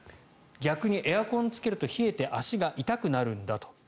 逆にエアコンをつけると冷えて足が痛くなるんだと。